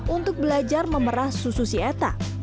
untuk belajar memerah susu si eta